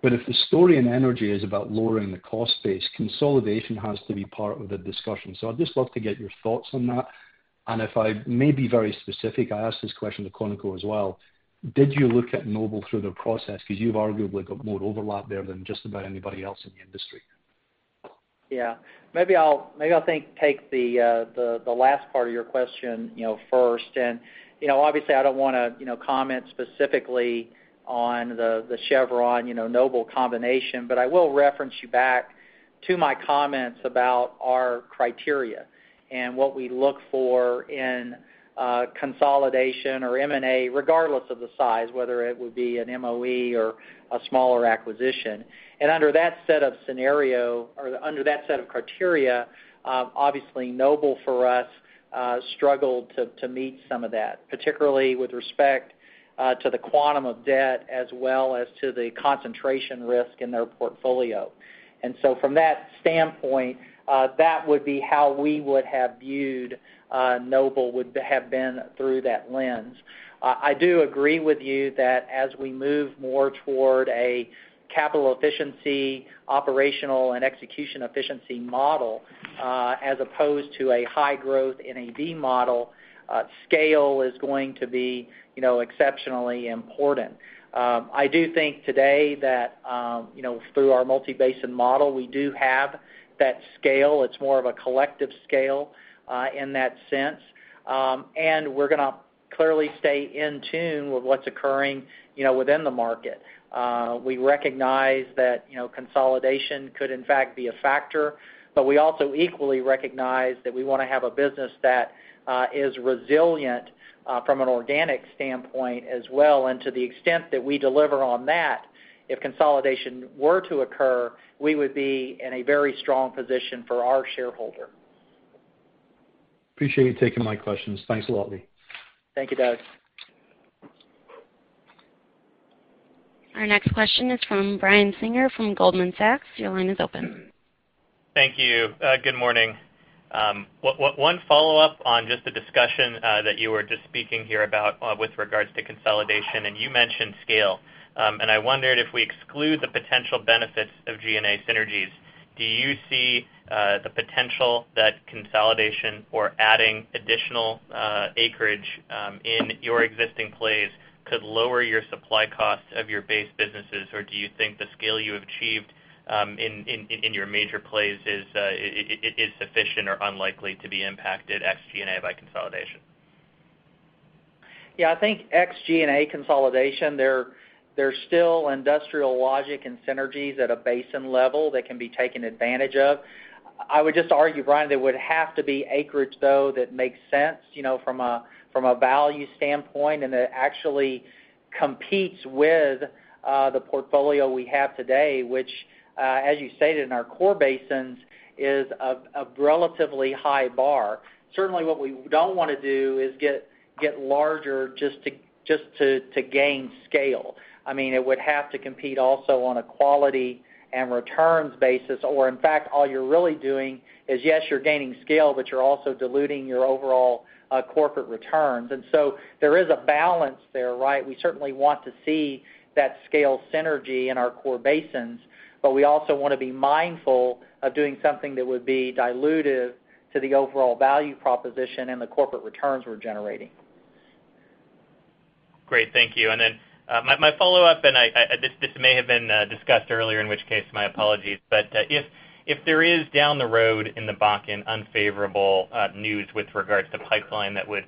If the story in energy is about lowering the cost base, consolidation has to be part of the discussion. I'd just love to get your thoughts on that. If I may be very specific, I asked this question to Conoco as well, did you look at Noble through the process? Because you've arguably got more overlap there than just about anybody else in the industry. Yeah. Maybe I'll take the last part of your question first. Obviously, I don't want to comment specifically on the Chevron-Noble combination, but I will reference you back to my comments about our criteria and what we look for in consolidation or M&A, regardless of the size, whether it would be an MOE or a smaller acquisition. Under that set of criteria, obviously Noble, for us, struggled to meet some of that, particularly with respect to the quantum of debt as well as to the concentration risk in their portfolio. From that standpoint, that would be how we would have viewed Noble would have been through that lens. I do agree with you that as we move more toward a capital efficiency, operational, and execution efficiency model, as opposed to a high growth NAV model, scale is going to be exceptionally important. I do think today that through our multi basin model, we do have that scale. It's more of a collective scale in that sense. We're going to clearly stay in tune with what's occurring within the market. We recognize that consolidation could, in fact, be a factor, but we also equally recognize that we want to have a business that is resilient from an organic standpoint as well. To the extent that we deliver on that, if consolidation were to occur, we would be in a very strong position for our shareholder. Appreciate you taking my questions. Thanks a lot, Lee. Thank you, Doug. Our next question is from Brian Singer from Goldman Sachs. Your line is open. Thank you. Good morning. One follow-up on just the discussion that you were just speaking here about with regards to consolidation, you mentioned scale. I wondered if we exclude the potential benefits of G&A synergies, do you see the potential that consolidation or adding additional acreage in your existing plays could lower your supply costs of your base businesses? Do you think the scale you have achieved in your major plays is sufficient or unlikely to be impacted ex G&A by consolidation? Yeah, I think ex G&A consolidation, there's still industrial logic and synergies at a basin level that can be taken advantage of. I would just argue, Brian, there would have to be acreage, though, that makes sense from a value standpoint, and that actually competes with the portfolio we have today, which, as you stated, in our core basins, is a relatively high bar. Certainly, what we don't want to do is get larger just to gain scale. It would have to compete also on a quality and returns basis, or in fact, all you're really doing is, yes, you're gaining scale, but you're also diluting your overall corporate returns. There is a balance there, right? We certainly want to see that scale synergy in our core basins, but we also want to be mindful of doing something that would be dilutive to the overall value proposition and the corporate returns we're generating. Great. Thank you. My follow-up, this may have been discussed earlier, in which case, my apologies, if there is, down the road in the Bakken, unfavorable news with regards to pipeline that would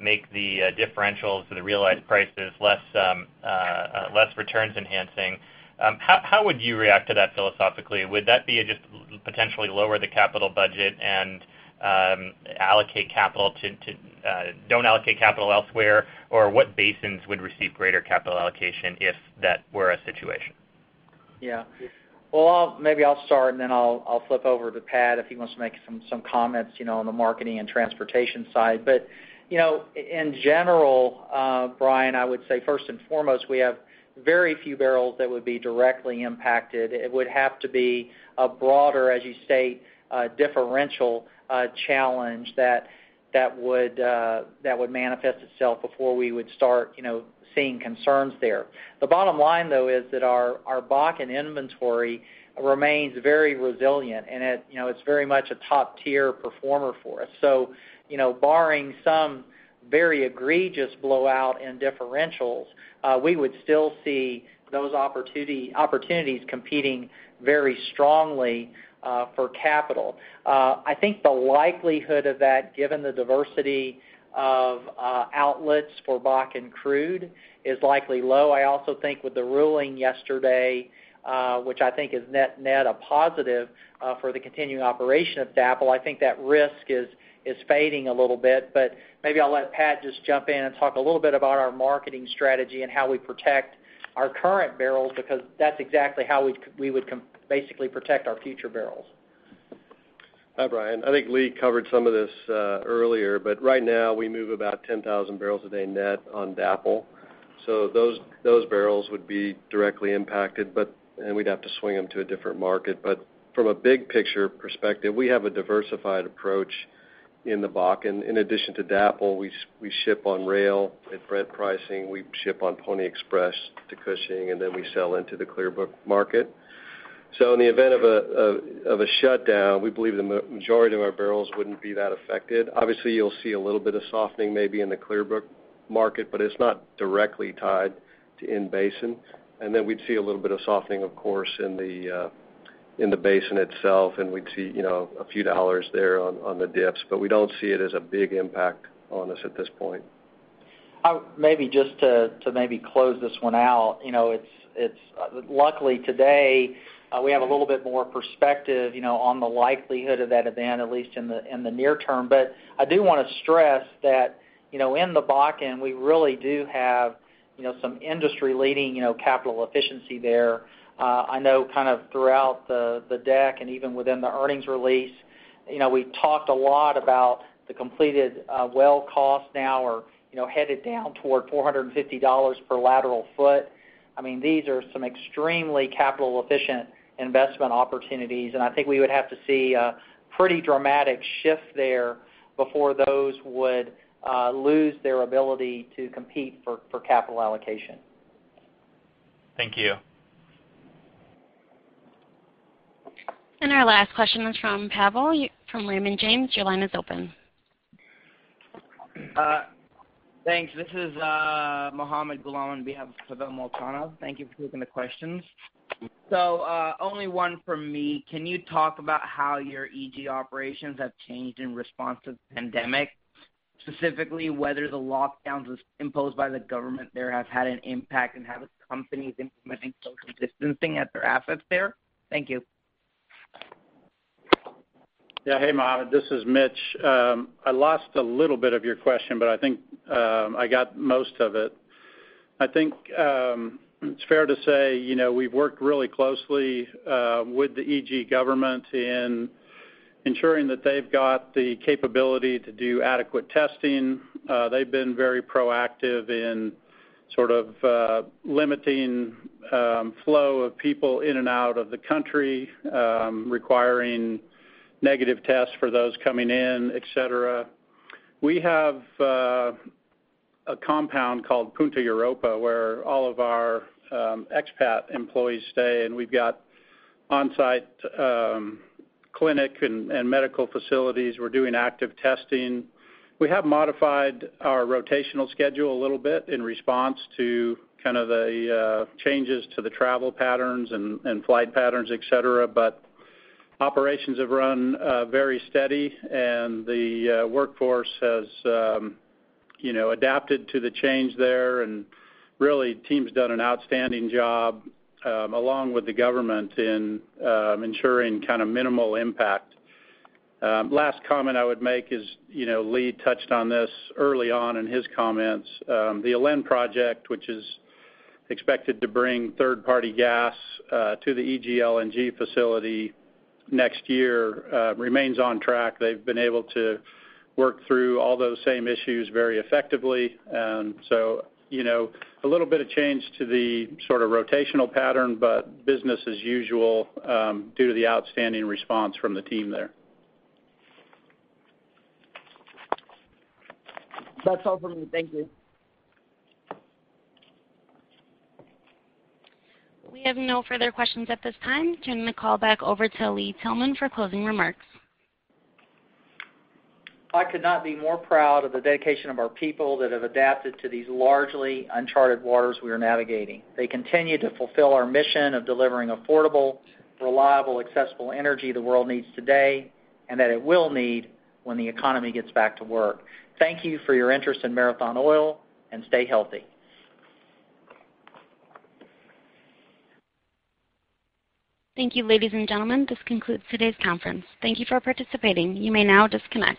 make the differentials or the realized prices less returns enhancing, how would you react to that philosophically? Would that be just potentially lower the capital budget and don't allocate capital elsewhere? What basins would receive greater capital allocation if that were a situation? Yeah. Well, maybe I'll start, and then I'll flip over to Pat if he wants to make some comments on the marketing and transportation side. In general, Brian, I would say first and foremost, we have very few barrels that would be directly impacted. It would have to be a broader, as you state, differential challenge that would manifest itself before we would start seeing concerns there. The bottom line, though, is that our Bakken inventory remains very resilient, and it's very much a top-tier performer for us. Barring some very egregious blowout in differentials, we would still see those opportunities competing very strongly for capital. I think the likelihood of that, given the diversity of outlets for Bakken crude, is likely low. I also think with the ruling yesterday, which I think is net-net a positive for the continuing operation of DAPL, I think that risk is fading a little bit. Maybe I'll let Pat just jump in and talk a little bit about our marketing strategy and how we protect our current barrels, because that's exactly how we would basically protect our future barrels. Hi, Brian. I think Lee covered some of this earlier. Right now, we move about 10,000 barrels a day net on DAPL. Those barrels would be directly impacted, and we'd have to swing them to a different market. From a big picture perspective, we have a diversified approach In the Bakken, in addition to DAPL, we ship on rail at Brent pricing. We ship on Pony Express to Cushing, and then we sell into the Clearbrook market. In the event of a shutdown, we believe the majority of our barrels wouldn't be that affected. Obviously, you'll see a little bit of softening maybe in the Clearbrook market, but it's not directly tied to in-basin. We'd see a little bit of softening, of course, in the basin itself, and we'd see a few dollars there on the dips. We don't see it as a big impact on us at this point. Maybe just to maybe close this one out. Luckily today, we have a little bit more perspective on the likelihood of that event, at least in the near term. I do want to stress that in the Bakken, we really do have some industry-leading capital efficiency there. I know kind of throughout the deck and even within the earnings release, we've talked a lot about the completed well cost now or headed down toward $450 per lateral foot. These are some extremely capital-efficient investment opportunities, I think we would have to see a pretty dramatic shift there before those would lose their ability to compete for capital allocation. Thank you. Our last question is from Pavel from Raymond James. Your line is open. Thanks. This is Muhammed Ghulam on behalf of Pavel Molchanov. Thank you for taking the questions. Only one from me. Can you talk about how your EG operations have changed in response to the pandemic? Specifically, whether the lockdowns imposed by the government there have had an impact, and have companies implementing social distancing at their assets there? Thank you. Yeah. Hey, Muhammed, this is Mitch. I lost a little bit of your question, but I think I got most of it. I think it's fair to say we've worked really closely with the EG government in ensuring that they've got the capability to do adequate testing. They've been very proactive in sort of limiting flow of people in and out of the country, requiring negative tests for those coming in, et cetera. We have a compound called Punta Europa where all of our expat employees stay, and we've got on-site clinic and medical facilities. We're doing active testing. We have modified our rotational schedule a little bit in response to kind of the changes to the travel patterns and flight patterns, et cetera. Operations have run very steady, and the workforce has adapted to the change there. Really, team's done an outstanding job along with the government in ensuring minimal impact. Last comment I would make is Lee touched on this early on in his comments. The ALEN project, which is expected to bring third-party gas to the EG LNG facility next year, remains on track. They've been able to work through all those same issues very effectively. A little bit of change to the sort of rotational pattern, but business as usual due to the outstanding response from the team there. That's all for me. Thank you. We have no further questions at this time. Turning the call back over to Lee Tillman for closing remarks. I could not be more proud of the dedication of our people that have adapted to these largely uncharted waters we are navigating. They continue to fulfill our mission of delivering affordable, reliable, accessible energy the world needs today, and that it will need when the economy gets back to work. Thank you for your interest in Marathon Oil, and stay healthy. Thank you, ladies and gentlemen. This concludes today's conference. Thank you for participating. You may now disconnect.